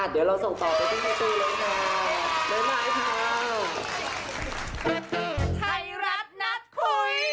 เดี๋ยวเราส่งต่อไปที่ไทยตู้เลยค่ะบ๊ายบายค่ะ